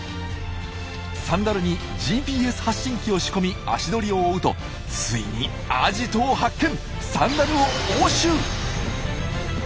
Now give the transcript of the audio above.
サンダルにＧＰＳ発信機を仕込み足取りを追うとついにアジトを発見！